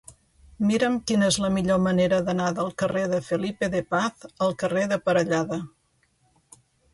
Mira'm quina és la millor manera d'anar del carrer de Felipe de Paz al carrer de Parellada.